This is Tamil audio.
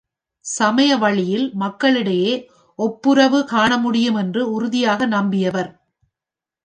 சமய வழியில் மக்களிடையே ஒப்புரவு காணமுடியும் என்று உறுதியாக நம்பியவர்.